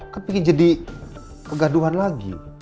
kan ingin jadi kegaduhan lagi